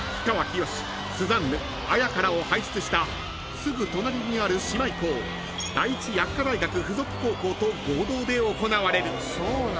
［すぐ隣にある姉妹校第一薬科大学付属高校と合同で行われる］